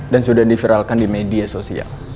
dan sudah diviralkan di media sosial